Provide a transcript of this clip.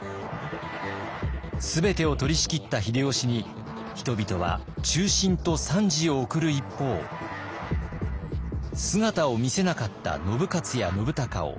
全てを取りしきった秀吉に人々は忠臣と賛辞を送る一方姿を見せなかった信雄や信孝を非難。